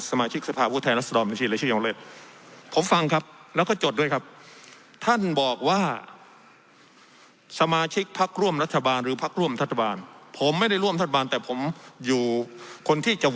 สมาชิกสภาพวูทย์ไทยรัศดรบัญชีหรือชื่ออย่างเล็ก